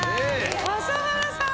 笠原さん！